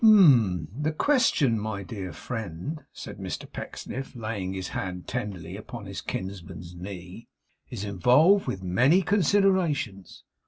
'Hum! The question, my dear friend,' said Mr Pecksniff, laying his hand tenderly upon his kinsman's knee, 'is involved with many considerations.